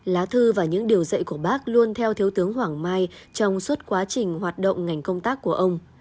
lá thư và những điều dạy của bác luôn theo thiếu tướng hoàng mai trong suốt quá trình hoạt động ngành công tác của ông